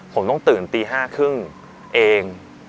ผมต้องตื่นตี๕๓๐เอง